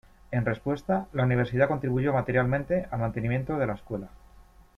En respuesta la Universidad contribuyó materialmente al mantenimiento de la escuela.